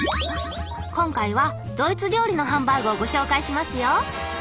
今回はドイツ料理のハンバーグをご紹介しますよ。